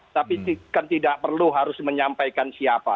tapi kan tidak perlu harus menyampaikan siapa